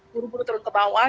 buru buru turun ke bawah